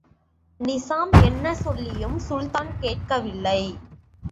நிசாம் என்ன சொல்லியும் சுல்தான் கேட்கவில்லை.